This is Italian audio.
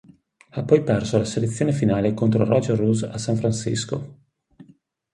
Ha poi perso la selezione finale contro Roger Rouse a San Francisco.